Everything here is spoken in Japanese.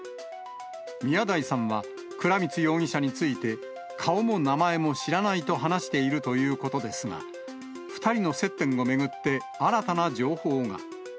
宮台さんは、倉光容疑者について、顔も名前も知らないと話しているということですが、２人の接点を巡って、新たな情報が。